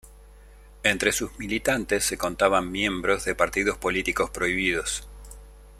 Entre sus militantes se contaban miembros de partidos políticos prohibidos.